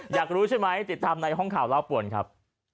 อยากรู้ใช่ไหมติดตามในห้องข่าวเล่าป่วนครับ